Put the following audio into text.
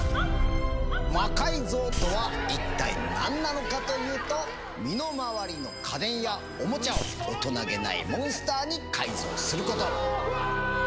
「魔改造」とは一体何なのかというと身の回りの家電やオモチャを大人気ないモンスターに改造すること。